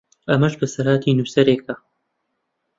ئەمەش بەسەرهاتی نووسەرێکە